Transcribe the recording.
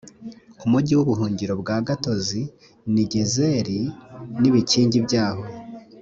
umujyi w’ubuhungiro bwa gatozi n’i gezeri n’ibikingi byaho